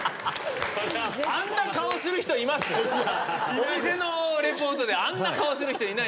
お店のリポートであんな顔する人いない。